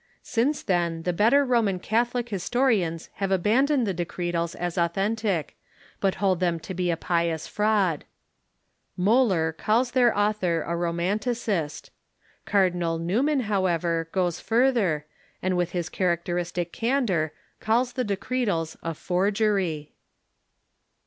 Since then the better Roman Catholic historians have abandoned the Decretals as authentic, but hold them to be a pious fraud. Moehler calls their author a "Romanticist." Cardinal Newman, however, goes further, and with his characteristic candor calls the De cretals a " forgery."